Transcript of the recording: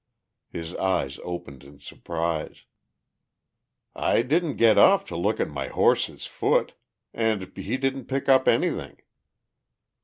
His eyes opened in surprise. "I didn't get off to look at my horse's foot. And he didn't pick up anything."